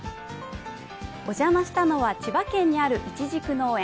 お邪魔したのは、千葉県にあるいちじく農園。